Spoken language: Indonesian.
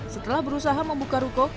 setelah berusaha membuka ruko